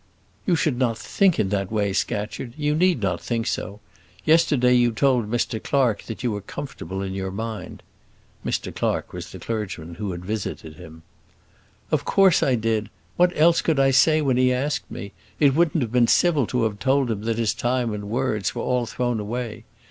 "You should not think in that way, Scatcherd; you need not think so. Yesterday you told Mr Clarke that you were comfortable in your mind." Mr Clarke was the clergyman who had visited him. "Of course I did. What else could I say when he asked me? It wouldn't have been civil to have told him that his time and words were all thrown away.